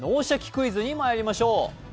クイズ」にまいりましょう。